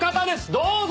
どうぞ！